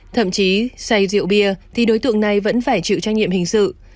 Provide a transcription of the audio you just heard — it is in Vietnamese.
thậm chí xoay rượu bia thì đối tượng này vẫn phải chịu trách nhiệm hình sự